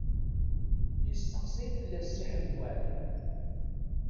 Yesteqsay fell-as Si Ḥmed Waɛli.